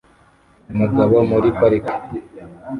Umugabo muri parike